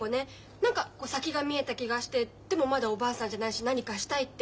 何かこう先が見えた気がしてでもまだおばあさんじゃないし何かしたいって。